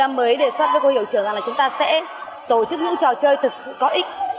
mới đề xuất với cô hiệu trưởng rằng là chúng ta sẽ tổ chức những trò chơi thực sự có ích